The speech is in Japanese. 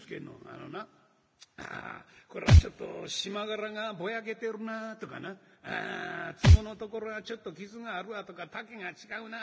「あのな『ああこらあちょっと縞柄がぼやけてるな』とかな『つぼのところがちょっと傷があるわ』とか『丈が違うな。